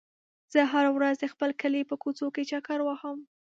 زه هره ورځ د خپل کلي په کوڅو کې چکر وهم.